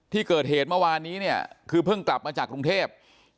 ที่เกิดเหตุเมื่อวานนี้เนี่ยคือเพิ่งกลับมาจากกรุงเทพ